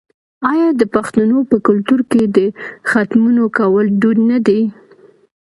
آیا د پښتنو په کلتور کې د ختمونو کول دود نه دی؟